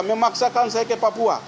memaksakan saya ke papua